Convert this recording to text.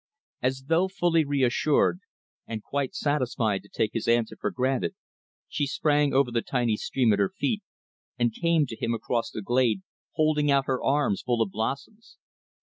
As though fully reassured, and quite satisfied to take his answer for granted, she sprang over the tiny stream at her feet, and came to him across the glade, holding out her arms full of blossoms.